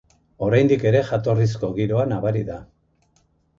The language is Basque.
Oraindik ere jatorrizko giroa nabari da.